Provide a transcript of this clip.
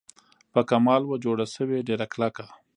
په کمال وه جوړه سوې ډېره کلکه